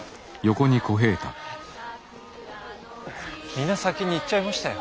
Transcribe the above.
皆先に行っちゃいましたよ。